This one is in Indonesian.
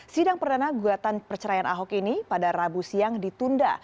sidang perdana gugatan perceraian ahok ini pada rabu siang ditunda